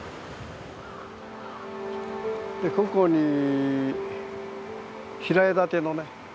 ここに平屋建てのね